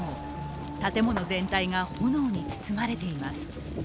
建物全体が炎に包まれています。